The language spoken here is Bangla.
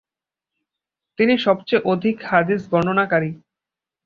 তিনি সবচেয়ে অধিক হাদিস বর্ণনাকারী।